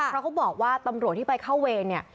เพราะเขาบอกว่าตำรวจที่ไปเข้าเวรเนี่ย